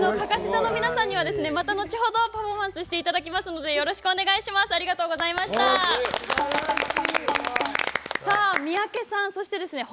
かかし座の皆さんにはまた後ほどパフォーマンスしていただきますのでよろしくお願いします。